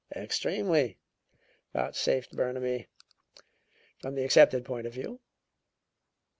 "Extremely," vouchsafed Burnaby, "from the accepted point of view."